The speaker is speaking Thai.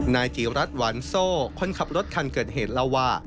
นายจีรัฐหวานโซ่คนขับรถคันเกิดเหตุเล่าว่า